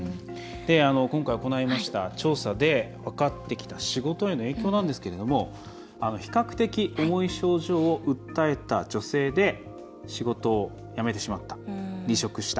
今回、行いました調査で分かってきた仕事への影響なんですが比較的重い症状を訴えた女性で仕事を辞めてしまった、離職した。